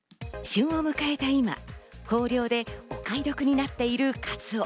旬を迎えた今、豊漁でお買い得になっているカツオ。